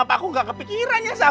kenapa aku gak kepikiran ya sam